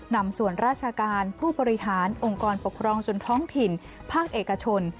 นำส่วนราชการผู้บริหารองค์กรปกครองส่วนท้องถิ่นภาคเอกชน